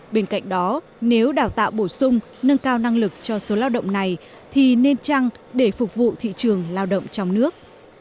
bên cạnh đó nếu đào tạo bổ sung nâng cao năng lực cho số lao động này thì nên trăng để phục vụ thị trường lao động trong nước